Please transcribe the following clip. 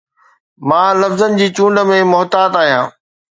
مان لفظن جي چونڊ ۾ محتاط آهيان